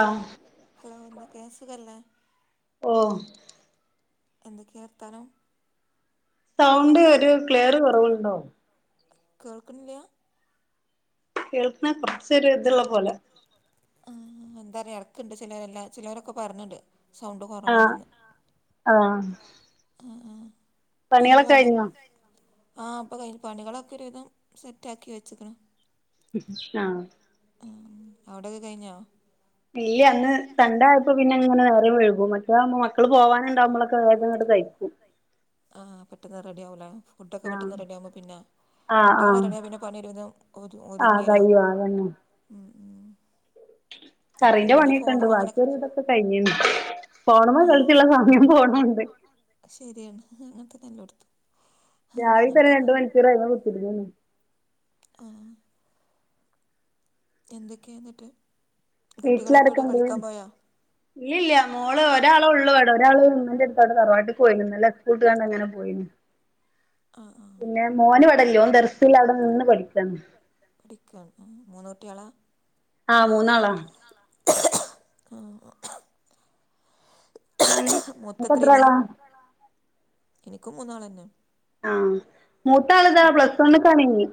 ആഹ്. Hello എന്തൊക്കെയാ സുഖല്ലേ? ഓഹ് എന്തൊക്കെയാ വർത്താനം? സൗണ്ട് ഒരു ക്ലിയർ കുറവുണ്ടോ? കേൾക്കണില്ല? കേൾക്കണു കുറച്ച് ഒരു ഇതുള്ള പോലെ. ആഹ് എന്താ പറയാ എടക്കുണ്ട് ചിലരെല്ല ചിലവരൊക്കെ പറഞ്ഞണ്ട് സൗണ്ട് കെറവാണെന്ന് [unintelligible] ആഹ് ആഹ് ഇപ്പെ എന്താ വേണ്ടേ, പണികൾ ഒക്കെ കഴിഞ്ഞോ ആഹ് ഇപ്പെ കഴിഞ്ഞു പണികളൊക്കെ ഒരു വിധം സെറ്റ് ആക്കി വെച്ചെക്കെണു ആഹ്. ആഹ് അവിടയൊക്കെ കഴിഞ്ഞോ? ഇല്ല അങ്ങ് തണ്ട ആയപ്പം പിന്നെ എങ്ങനെ മക്കള് പോവാൻ ഉണ്ടാക്കുമ്പളെക്കെ ആഹ് പെട്ടെന്ന് റെഡി ആവൂലെ ഫുഡൊക്കെ പെട്ടെന്ന് റെഡി ആകുമ്പോ പിന്നെ ഫുഡ് റെഡിയായ പിന്നെ പണി ഒരു വിധം ഒതുങ്ങിയല്ലോ ആഹ് ഉം ഉം. കറിന്റെ പണിയൊക്കെ ഉണ്ട് ബാക്കിയൊരുവിധൊക്കെ കഴിഞ്ഞുണ്ട്. ഫോണുമെ കളിച്ചുള്ള സമയം പോണുണ്ട് ശരിയാണ് അങ്ങനത്തെ തന്നെ ഇവിടെത്തും രാവിലെത്തെ ഒരു രണ്ട് മണിക്കൂർ ആയിരുന്നു കുത്തിയിരുന്നത് ആഹ്. എന്തൊക്കെയ എന്നിട്ട് കുട്ടികളൊക്കെ ഇവിടെ കളിക്കാൻ പോയോ? ഇല്ല മോള് ഒരാള് ഉള്ളു ഇവിടെ ഒരാള് എന്റെ തറവാട്ടിക്ക് പോയിരിക്കുന്നു ഇല്ലേ കൂത്ത് കാണാൻ പിന്നെ മോന് ഇവിടില്ല ഓൻ ദർസ്സിലാ അവിടെ നിന്ന് പഠിക്കുന്നു പഠിക്കുവാ മൂന്നൂ കുട്ടികളാ ആഹ് മൂന്നാളാണ്. ആഹ്. മുത്ത് എത്രേല? എനിക്കും മൂന്നാളന്നെ. ആഹ്. മൂത്താൾ ഇതാ പ്ലസ് വൺ കാണ് ഇനി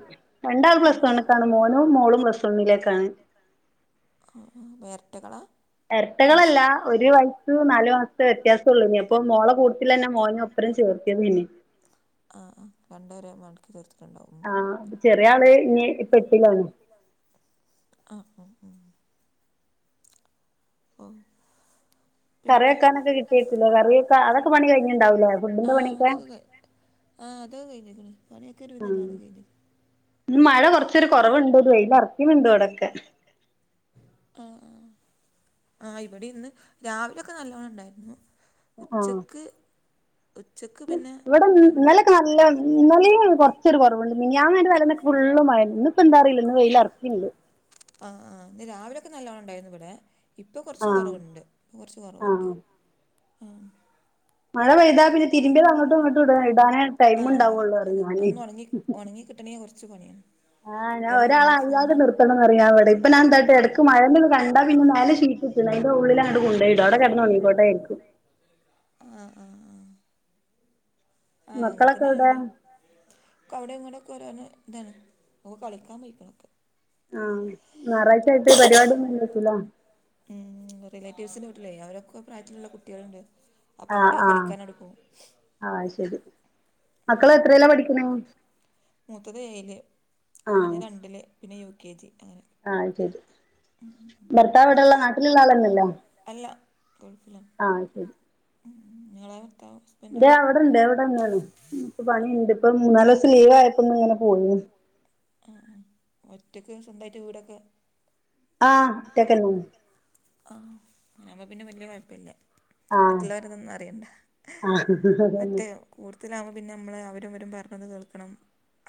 രണ്ടാൾ പ്ലസ് വണ്ണകാണ് മോനും മോളും പ്ലസ് വണ്ണിലേക്കാണ്. ആഹ് ആഹാ ഇരട്ടകളാ? എരട്ടകളല്ല ഒരു വയസ്സ് നാലു മാസത്തെ വെത്യാസ ഉള്ള് ഇനി അപ്പൊ മോള കൂട്ടില്ലെന്നെ മോനും. ഫ്രണ്ട്‌സ് ഇവർക്ക് ന്നെന്നെ ആഹ് ആഹാ രണ്ടരെയും മടക്കിതീർത്ത് ആഹ് ചെറിയ ആള് ഇനി ഇപ്പ എട്ടിലാണ്. ആഹ് ആഹ് ഉം. ഓഹോ പിന്നെ ആഹ് അതൊക്കെ കഴ് ആഹ് അതൊക്കെ കഴിഞ്ഞിക്കണ് പണിയൊക്കെ ഒരു വിധം എല്ലാം കഴിഞ്ഞു. ഇന്ന് മഴ കൊറച്ചൊരു കൊറവുണ്ട് ട് വെയില് ഒറക്കണ് ണ്ട് ഇവിടൊക്കെ. ആഹ് ഇവിടെ ഇന്ന് രാവിലൊക്കെ നല്ലോണം ഉണ്ടായിരുന്നു ഉച്ചക്ക് ഇവ്വ ഇവിടെ ന്ന് ഇന്നലൊക്കെ നല്ല ഇന്നലെയും കൊറച്ചൊരു കൊറവുണ്ട് മിൻഞ്ഞാന്ന്ന്റ് തലേന്ന് ഫുള്ള് മഴ ന്ന ഇന്ന് ഇപ്പ എന്താറിയില്ല ഇന്ന് വെയില് എറക്ക്ണ്ട്. ആഹ് ആഹ് ഇന്ന് രാവിലൊക്കെ നല്ലൊണം ഉണ്ടായിരുന്നു ഇവിടെ ഇപ്പ കുറച്ച് കുറവുണ്ട് കുറച്ച് കുറവുണ്ട് ഉം. ആഹ് അതെ ഒന്ന് ഒണങ്ങി ഒണങ്ങി കിട്ടണെ കൊറച്ച് പണിയാണ്. ആഹ ഞാൻ ഒരാള് അറിയാതെ നിർത്ത ഇപ്പ ഇന്തന്ന് അറിയാവോടെ ഇപ്പ ഞാൻ എന്താ കെടക്ക് മയന്റെത് കണ്ടാ പിന്നെ മേലെ ഷീറ്റ്ട്ട് നയിന്റെള്ളില് അന്ററു കൊണ്ടയിടും അവിടെ കിടന്ന് ഒണങ്ങി ഇവ്ടെ എൻക്കും ആഹ് ആഹ് ആഹ അങ്ങനെതന്നെ ഇവിടെം ക്ക് അവിടെ ഇങ്ങനൊക്കെ ഒര് ന് ഇതാണ് ഒ കളിക്കാൻ പോയിക്കണ് ആഹ ഞായറാഴ്ച ആയിട്ട് പരിപാടി ഒന്നും ഇക്കൂല ഉം റിലേറ്റീവ്സിന്റെ വീട്ടിലേ അവരൊക്കെ പ്രായത്തിലുള്ള കുട്ടികളുണ്ട് അപ്പൊ അങ്ങട്ട് കളിക്കാൻ അങ്ങ്ട് പോവും ആഹ ശരി മ് മൂത്തത് ഏയില് പിന്നെ രണ്ടില് പിന്നെ യു കെ ജി അങ്ങനെ ആഹ ശരി ഭർത്താവടുള്ളെ നാട്ടിലുള്ള ആളന്നല്ലേ അല്ല ഗൾഫിലാ ആഹാ ശരി മ് ഉം നിങ്ങളെ ഭർത്താവോ ദേ അവിട് ഉണ്ട് എവിടാന്ന് റോ മ് പ്പ പണിണ്ട് ഇപ്പ മൂന്നാല് ദിവസം ലീവ് ആയപ്പോങ്ങനെ പോയിന്ന് അഹ ആഹാ ഒറ്റയ്ക്ക് സ്വന്തായിട്ട് വീടൊക്കെ ആഹ ഒറ്റക്കെന്നെ ആഹാ അങ്ങനെവുബൊ പിന്നെ വല്യ കൊഴപ്പല്ല മറ്റുള്ളവരതൊന്നും അറിയണ്ട മറ്റേ കൂടുതലാകുബോ പിന്നെ അമ്മളെ അവരും ഇവരും പറഞ്ഞത് കേൾക്കണം.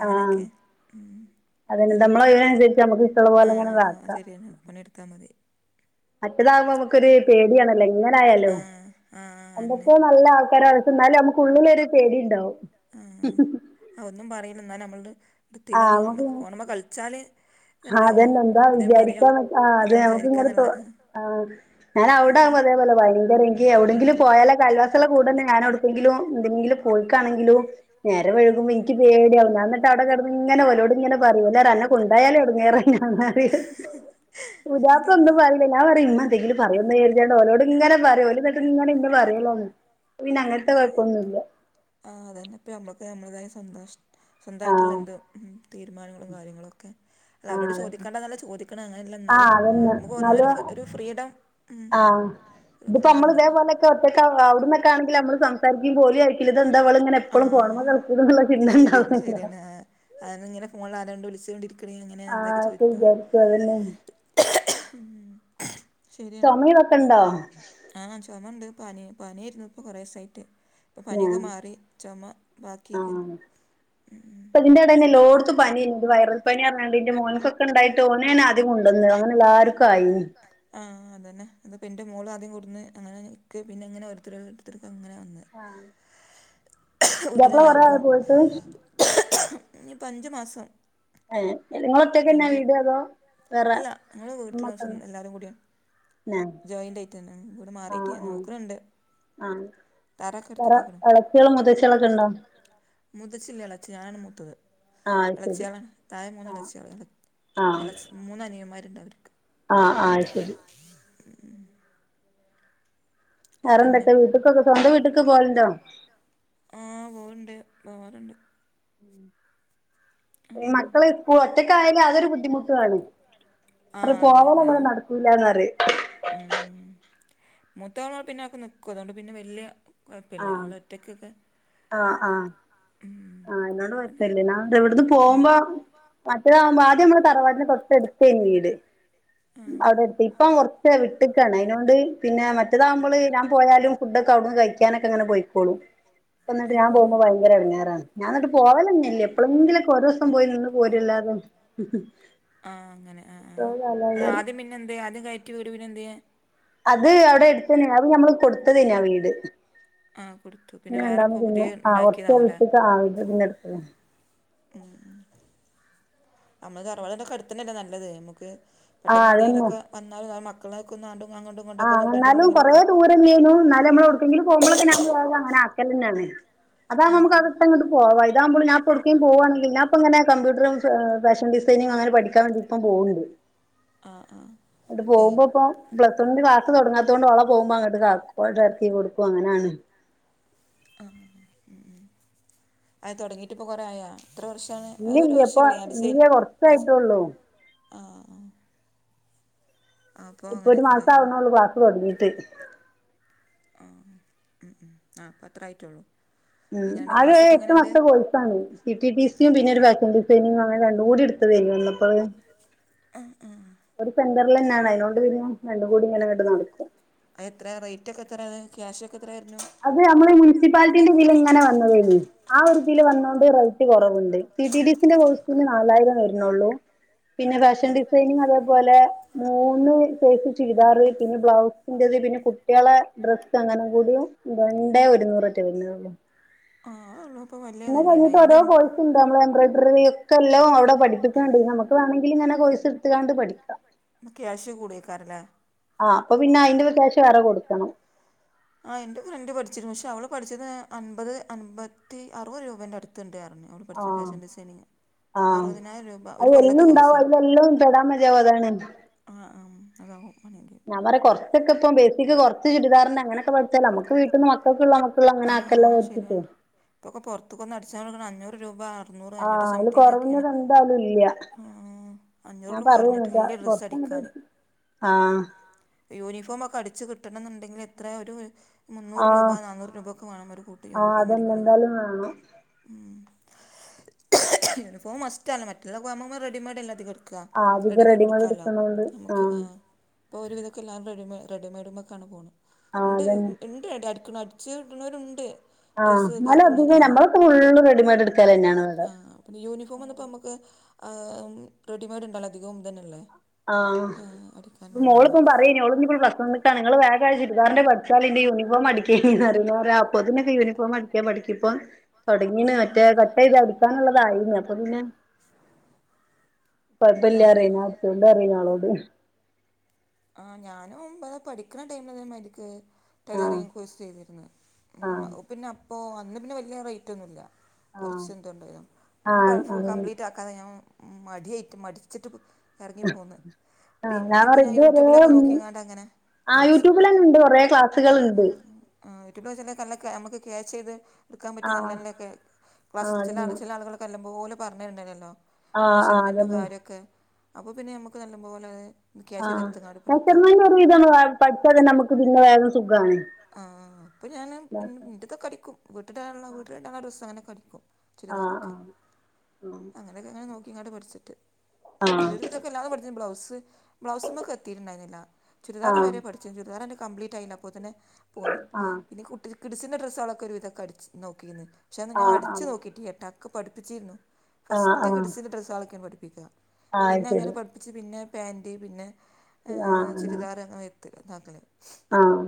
അങ്ങനെക്കെ മ് ആഹാ പിന്ന പണിയെടുത്താ മതി മറ്റേതാവുമ്പോ അമ്മക്കൊരു പേടിയണല്ല എങ്ങനായാലും എന്തൊക്കെയ നല്ല ആൾക്കാര തിന്നാലും അമുക്കുള്ളില് ഒരു പേടി ഉണ്ടാവും. ആഹാ ഒന്നും പറയില്ല എന്നാല് അമ്മള്ട് ട്ത്തിലങ്ങിങ്ങ് ഫോണിമെ കളിച്ചാല് ആഹ അതന്നെ എന്താ വിചാരിക്ക ന്ന് ആഹാ അത് നമക്ക് ഇങ്ങട് തൊ ആഹാ ഞാനാ അവിടെ അതേപോലെ ഭയങ്കര എവിടെങ്കിലും പോയാല് ക്രൽവാസ്സ്ള്ള കൂട്ടന്നെ ഞാനാ അവ്ടെ പോയ്ങ്കിലും എന്തെങ്കിലും പോയിക്കാണെങ്കിലും നേരം വഴുകുമ്പോ ഇൻക്ക് പേട്യാവും ഞാന്ന്ട്ട് ട്ടഅവ്ടെ കെടന്ന്ങ്ങനെ ഓലോട് ഇങ്ങനെ പറയും ന്നേരഅന്നെ കാെണ്ടായാലും എടങ്ങറ [unintelligible] ഏ [inaudible] പുതിയപ്ള ഒന്നും പറീല്ല ഞാ പറിം ഇമ്മ എന്തെങ്കിലും പറയുന്ന് കരുതിങ്ങാട് ഒലോട് ഇങ്ങനെ പറയും ഓല്ങ്ങട്ട് ഇങ്ങനെ ഇന്നെ പറയലാണ് ൻക്ക് പിന്നെ അങ്ങൻത്തെ കാെയപ്പൊന്നുല്ല ആഹ് അതന്നെ ഇപ്പ നമ്മക്ക് നമ്മളെതായ സന്തോഷം ത്ത്ളെ എന്തോ ഉം തീരുമാനങ്ങളും കാര്യങ്ങളൊക്കെ ല്ല അവരോട് ചോദിക്കണ്ടന്നല്ല ചോദിക്കണം അങ്ങനെയല്ല ഇന്നാലും നമുക്ക് ഒന്നാെരു ഫ് ഒരു ഫ്രീഡം ഉം ഇത്പ്പോ അമ്മള് ഇതേപോലെക്കെ ഒറ്റക്കാവാ അവ്ട്ന്നൊക്കാണെങ്കില് നമ്മള് സംസാരികുമ്പോ ഓല് വിചാരിക്കില്ലെ ഇതെന്താ ഇവള് ഇങ്ങനെ എപ് എപ്പളും ഫോണിമ്മെ കള്ച്ചണത്ള്ള ചിന്തണ്ടാവു ശര്യന്നെ എഹാ അഅന്നെ ഇങ്ങനെ ഫോണില്ആരാണ്ട് വിളിച്ചോണ്ടിരിക്ക് ആഹ് അഒക്കെവിചാരിച്ചും അതന്നെ ചാെമിം ഇതൊക്കെണ്ടോ ആഹ് ചാെമ ഇണ്ട് പനി പന്യായിര്ന്നു ഇപ്പൊ കൊറെസായിട്ട് പ്പപനൊക്കെ മാറി ചാെമ ബാക്കേക്ക് ഇപ്പതിൻ്റെ എടേല്എല്ലൊട്ത്തും പന്യന്നെ വൈറൽ പനീഅർഞ്ഞാണ്ട് ഇൻ്റെമോൻക്കൊ ക്ക ഇണ്ടായിട്ട് ഓനെന് ആദ്യം കൊണ്ടത് അങ്ങനെ എല്ലാവർക്കുംആയിനി ആഹ് അതന്നെ ഇത്പ്പഇൻ്റെ മോള് ആദ്യം കൊടുന്ന് അങ്ങനെ ഇൻക്ക് പിന്നെങ്ങനെ ഓർത്തര് ഓരോര്ത്തര്ക്കങ്ങനെ വന്ന് വീട്ടിലെല്ലാർക്കും ഇനിപ്പോ അഞ്ച് മാസം ഏഹ് ഇങ്ങള് ഒറ്റയ്ക്കന്നെ ആവീട് അതോ അല്ല ഞങ്ങള് വീട്ടില്ലോസം എല്ലാരും കൂട്യാേ ജോയിന്റ് ആയിറ്റന്നെണ് വീട് മാറീട്ടില്ല നോക്ക്ണ് ണ്ട് ആഹ് വേറെ എളച്യാളും മൂത്തച്യാളൊക്കെ ണ്ടോ മൂത്തച്ചില്ല എളച്യാളാണ് ഞാനാണ് മൂത്തത് എളച്യാളാണ് തായെ മൂന്ന് എളച്യാളാണ് എളച്ച് മൂന്ന് അനിയന്മാര്ണ്ട് അവര്ക്ക് ആഹ് ആഹ് അഹ്ശരി ഉ ഉ [inaudible] വേറെന്തൊക്കെ വീട്ട്ക്കൊക്കെ സ്വന്തം വീട്ട്ക്ക് പോവല്ണ്ടോ ആഹ് പോവ്ണ്ട് പോവാറ്ണ്ട് ഉം [inaudible] ഈ മക്കള് കൂഒറ്റക്കായാല് അതൊരു ബുദ്ധിമുട്ടുആണ് അപ്പ പോവല് അങ്ങനെ നടക്ക് ക്കൂലാന്നറിം ഉം മൂത്തോള് ഓള് പിന്നെ നിക്കും അതോണ്ട് പിന്നെ വല്ല്യ കാെഴപ്പല്ല അവള് ഒറ്റയ്ക്കെക്കെ ന്ന്ക്കും ആഹ് അയ്ഞ്ഞോണ്ട് കൊഴപ്പല്ല്യ ന്നാ ഇത് ഇവിട്ന്ന് പോവുമ്പോ മറ്റേതാകുമ്പോ ആദ്യം നമ്മള് തറവാടിന്റെ തൊട്ടട്ത്തെയ്നി വീട് അവിടെട്ടി ഇപ്പം കൊർച്ച് വിട്ട്ക്കാണ് അയിനോണ്ട് പിന്നെ മറ്റേതാകുമ്പള് ഞാൻ പോയാലും ഫുഡാെക്കെ അവ്ടുന്ന് കഴിക്കാനൊക്കെങ്ങെനെ പോയ്‌ക്കോളും പ്പംന്നട്ട് ഞാൻ പോവുമ്പോ ഭയങ്കര എടങ്ങേറാണ് ന്നട്ട് പോവലെന്നല്ല്യ എപ്പളെങ്കിലൊക്കെഓരോ പ്പം പോയി നിന്ന് പോര്യല്ലാതെ [inaudible] എത്രോ കാലായി അർയാ പിന്നെന്തേ ആദ്യം കയറ്റിയ വീട് പിന്നെ എന്ത്യെ അത് അവ്ടെ എട്ത്തന്നെ അത് ഞമ്മള് കൊടുത്തതയ്നി ആ വീട് പിന്നെരണ്ടാമത് പിന്നെ ആഹ് കൊർച്ചെ വിട്ട്‌ട്ട് ആഹ് പിന്നെ പിന്നെ ഏഹ് നമ്മളെ തറവാട്ന്റെക്കെ എട്ത്തന്നല്ലേ നല്ലത് നമുക്ക് പെട്ടെന്ന് എന്തെങ്കിലൊക്കെ വന്നാലും അ മക് ക്കളെക്കൊന്ന് ആണ്ടുംഅങ്ങട്ടും ഇങ്ങട്ടൊക്കെ ഒന്ന് വിടണംണ്ടെങ്കിലൊക്ക തന്നേയ്ന്നു ന്നാലും അമ്മള് ഒവ്ട്‌കെങ്കിലും പോവുമ്പളൊക്കെ ഞാൻ വേഗം അങ്ങനെ ആക്കലന്നെണ് അതാവുമ്പോ നമ്മക് എട്ത്തായ്ങ്കോണ്ട് പോവ ഇതാകുമ്പോ ഞാൻപ്പോ എവിടെക്കേലും പോവാണെങ്കി ഞാ ഇപ്പ ഇങ്ങനെ കമ്പ്യൂട്ടർ ഫാഷൻ ഡിസൈനിംഗ് അങ്ങനെ പഠിക്കാൻ വേണ്ടിപ്പം പോക്ണ്ട് ഉം ന്നട്ട് പോകുമ്പോ ഇപ്പ ബ്ല- പ്പം ന്റെ ക്ലാസ്സ്‌ തുടങ്ങാതോണ്ട് ഓളെ പോകുമ്പോ അങ്ങട്ട് കാക്ക് ഇറക്കി കൊടുക്കും അങ്ങനെയാണ് അഹ് അയിന് തുടങ്ങിട്ട് ഇപ്പൊ കൊറേ ആയാ എത്ര വർഷം ഒരു വർഷല്ലേ അ ഡിസേൻ ഇപ്പൊ ഒരു മാസം ആവണള്ളൂ ക്ലാസ്സ്‌ തുടങ്ങിട്ട് ആഹ് ഉ ഉം ആഹ് അപ്പം അത്ര ആയിട്ടൊള്ളൂ ഉം അത് എട്ട് മാസത്തെ കോഴ്സാണ് ടി ടി സിയും പിന്നെ ഒരു ഫാഷൻ ഡിസൈനിങ്ങും അങ്ങനെ രണ്ടും കൂടീ ഇട് - പ്പ വിര്ന്ന് വന്നപ്പോഴൊക്കെ ഒരു സെന്റർല് തന്നെണ് അയിനോണ്ട് പിന്നെ രണ്ടും കൂടിങ്ങനങ്ങട്ട് നടക്കും അ എത്രെ റേറ്റൊക്കെ എത്രെ അത് ക്യാഷ് ഒക്കെ എത്രെ വരണു അത് നമ്മൾഈ മുനിസിപ്പാലിറ്റീന്റെ ഇതില് ഇങ്ങനെ വന്നതേനി ആ ഒരു ഇതില് വന്നൊണ്ട് റേറ്റ് കുറവു- ണ്ട് സി ടി ഡിസിന്റെ കോഴ്സിന് നാലായിരം വര്ന്നുള്ളൂ പിന്നെ ഫാഷൻ ഡിസൈനിങ് അതേപോലെ മൂന്ന് സേസ് ചുരിദാറ് പിന്നെ ബ്ലൗസ് ന്റത് പിന്നെ കുട്ടികളെ ഡ്രസ് അങ്ങനെ കൂടിയും രണ്ടേ ഒരുന്നൂററ്റെ വരുന്നുള്ളു ആഹ് ഒള്ളു പ്പം പിന്നെ കഴിഞ്ഞിട്ട് ഓരോ കോഴ്‌സ്ണ്ട് നമ്മള് എംബ്രോയിഡറി ഒക്കെല്ലതും അവിടെ പഠിപ്പിക്കുന്നുണ്ട് നമുക്ക് വേണെങ്കിൽങ്ങനെ കോഴ്സ്ട് - ത്ത്കാണ്ട് പഠിക്ക അയ്‌ന് ക്യാഷ് കൂടും അയ്ക്കാരം ലെ ആഹ് അപ്പൊ പിന്നെ അയ്ന്റെ ഒരു ക്യാഷ് വേറെ കൊടുക്കണം ആഹ് എന്റെ ഫ്രണ്ട് പഠിച്ചിരുന്നു പക്ഷെ അവള് പഠിച്ചത് അൻപത് അൻപത്തി അറുപത് രൂപേന്റെ അടുത്ത് ത്തുണ്ടാർന്ന് അവൾ പഠിച്ച ഫാഷൻ ഡിസൈനിങ ആഹ് അതെല്ല ഉണ്ടാവോ അതെല്ലാം പെടാ മതിയാവും അതാണ് ആഹ് ആഹ് അതകും ഞാൻ പറ കുറച്ചൊക്കെ ഇപ്പ ബേസിക്ക് കുറച്ച് ചുരിദാർ അങ്ങനൊക്കെ പഠിക്കാൻ നമക്ക് വീട്ടിന്ന് മക്കക്ക്‌ ഉള്ളണക്ക്‌ ഫുള്ള് അങ്ങനക്കാല് വെച്ചിട്ട് ഇപ്പൊക്കെ പുറത്തുക്ക്‌ ഒന്നു അടിച്ചാ കൊടുക്ക അഞ്ഞൂർ രൂപ അഞ്ഞൂർ അഞ്ഞൂറ്റി സംതിങ് ഒക്കെയാണ് ഉം അഞ്ഞൂർ രൂപ കുറഞ്ഞിട്ട് ഇല്ല ഡ്രസ്സ് അടിക്ക ക്കാണ് ആഹ് യൂണിഫോം ഒക്കെ അടിച്ചു കിട്ടണം എന്നുണ്ടെങ്കിൽ എത്രയൊ ഒരു മുന്നൂറ് രൂപ നാനുർ രൂപയൊക്കെ വേണം ഒരു കൂട്ട് യൂണിഫോം അടിക്കണോങ്കി ആഹ് ഉം യൂണിഫോം മാസ്റ്റണ് മറ്റെല്ലകുമ്പോൾ റെഡിമെയ്ഡ് അല്ലെ അധികം ക്ക റെഡിമെഡ് എടുക്കാലോ നമുക്ക് ആഹ് ഇപ്പോ ഒരുവിധൊക്കെ എല്ലാം റെഡിമെ റെഡിമെഡുമെക്കാണ് പോണ ഉണ്ട് ണ്ട് അടിക്കണ അടിച്ചു കിടുണവരുണ്ട് ആഹ് എന്നാലും അധിക നമ്മളൊക്കെ ഫുള്ള് റെഡിമെഡ് എടുക്കൽ തന്നെയാണ് ഇവിടെ പിന്നെ യൂണിഫോം ഒക്കെ ഇപ്പോ ഞമ്മക്ക് റെഡിമെയ്ഡ് ഉണ്ടല്ലോ അധികവും ഇത് തന്നെ അല്ലെ ആഹ് മോളിപ്പം പറയേം ഓള് ഇനി ഇപ്പോ പ്ലസ് വൺ ണിക്കണ് ഇങ്ങള് വേഗാ ചുരിദാന്റെ പഠിച്ചലി എന്റെ യൂണിഫോം അടിക്കനി പറയും അപ്പോന്നക്കെ യൂണഫോം അടി പഠിക്കിപ്പ തുടങ്ങിന മറ്റേ കട്ട ഇത് അടിക്കാനുള്ളതായിന്ന അപ്പൊ പിന്നെ കൊഴപ്പിലറിയുന്ന അത്തോണ്ട് അറിയുന്ന ആളോട് ആഹ് ഞാനും മുമ്പത് പഠിക്കുന്ന ടൈമില് [unintelligible] ടൈലറിങ് കോഴ്സ് ചെയ്തിരുന്നു ഉം പ്പോ പിന്നെ അപ്പോ അന്ന് പിന്നെ വലിയ റേറ്റ് ഒന്നുല്ല കുറച്ച് എന്തുണ്ടായിരുന്നു പിന്നെ ഫുൾ കംപ്ലീറ്റ് ആക്കാതെ ഞാൻ മടിയായിട്ട് മടിച്ചിട്ട് ഇറങ്ങിപ്പോന്ന് പിന്നെപ്പോ ഞാൻ യു ട്യൂബിലൊക്കെ നോക്കിയിങ്ങാണ്ട് അങ്ങനെ അടിച്ചുക്ക ആഹ് ഇതൊക്കെ വെച്ചാല് കല്ല നമുക്ക് ക്യാച്ച് ചെയ്ത് എടുക്കാൻ പറ്റി നല്ലൊക്കെ ഫസ്റ്റിൽ ചില ആളുകളോക്കെ നല്ല പോലെ പറഞ്ഞരോണ്ടല്ലോ മെഷർമെന്റും കാര്യൊക്കെ അപ്പൊ പിന്നെ നമ്മുക്ക് നല്ലപോലെ ക്യാച്ച് ചെയ്തെ മേഷർമെന്റ് ഒരു വിധം പഠിച്ച തന്നെ നമുക്ക് പിന്നെ വേഗം സുഖണ് ആഹ് ഇപ്പം ഞാൻ ന്ന എന്റെതൊക്കെ അടിക്കും വീട്ടിടാനുള്ള വീട്ടിലിടാനുള്ള ഡ്രസ്സ് അങ്ങനെ ഒക്കെ അടിക്കും ചുരിദാറൊക്കെ അങ്ങനെ അതെക്കേങ്ങനാ നോക്കിങ്ങണ്ട് പഠിച്ചിട്ട് ആഹാ [unintelligible] ബ്ലൗസ് ബ്ലൗസ്സുമെ എത്തിയിട്ടുണ്ടായിരുന്നില്ല ചുരിദാർ വേരെ പഠി പക്ഷേ ചുരിദാർ എന്റെ കംപ്ലീറ്റ് ആയിനിം അപ്പോ തന്നെ പൊന്ന് പിന്നെ കുട്ടി കിടിസിന്റെ ഡ്രസ്സോള്ളൊക്കെ ഒരു വിധോക്കെ അടിച്ച് നോക്കിന്ന് പക്ഷേ ഞാൻ അടിച്ച് നോക്കിട്ട് ഏട്ടാ ക്ക്‌ പഠിപ്പിച്ചിരുന്നു ഫസ്റ്റ് കിടിസിന്റെ ഡ്രസ്സേളെക്കാണ് പഠിപ്പിക്കുക പിന്നെ അങ്ങനെ പ പ്പിച്ച് പിന്നെ പാന്റ് പിന്നെ ഏഹ് ചുരിദാർ അങ്ങനെ വത്ത്‌ ഇതാക്കല് ആഹാ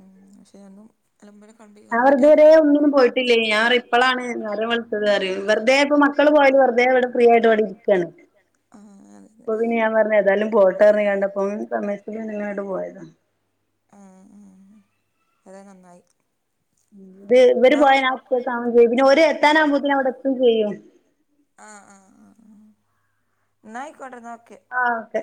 ഉം പക്ഷേ [unintelligible] അലമ്പല് കണ്ടി ഞാൻ വെറുതെ ഇതു വരേം ഒന്നിനും പോയിട്ടില്ലേ ഞാൻ ഇപ്പോളാണ് നേരം വെളുത്തത് അറിയൂ വെറതെ ഇപ്പ മക്ക മക്കള് പോയി വെറുതെ ഇവിടെ ഫ്രീ ആയിട്ട് ഇവിടെ ഇരിക്കയാണ് [inaudible] ഇപ്പ പിന്ന ഞാൻ പറഞ്ഞ് ഏതായാലും പോട്ടറഞ്ഞ കണ്ടപ്പൊ സമയത്തി ഇങ്ങോട്ട് പോയതാ ഉം ഉം ഏതായും നന്നായി ഇത് ഇവര് പോയ ഞാൻ ഒറ്റയ്ക്ക്‌ അവേം ചെയ്യും പിന്നെ ഒര് എത്താനാവുമ്പോത്തേ അവിടെ എത്തും ചെയ്യും ആഹാ ആഹാ ആഹാ ന്നാ ആയിക്കോട്ടേ ന്നാ ഓക്കേ ആഹാ ഓക്കെ